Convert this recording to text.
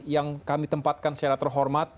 yang kami tempatkan secara terhormat